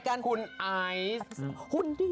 ปากยืนยิงปากยืนยิ่ง